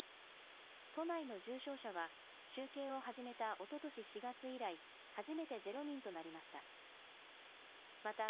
都内の重症者は、集計を始めたおととし４月以来、初めて０人となりました。